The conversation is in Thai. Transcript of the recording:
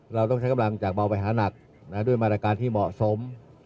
เราต้องใช้กำลังจากเบาไปหานักด้วยมาตรการที่เหมาะสม